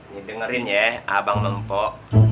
nih dengerin ya abang mempok